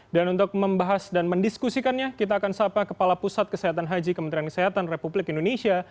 dan untuk membahas dan mendiskusikannya kita akan sapa kepala pusat kesehatan haji kementerian kesehatan republik indonesia